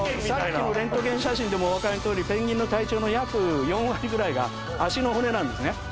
さっきのレントゲン写真でもお分かりのとおりペンギンの体長の約４割ぐらいが足の骨なんですね。